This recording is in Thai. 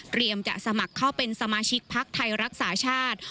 จะสมัครเข้าเป็นสมาชิกพักไทยรักษาชาติ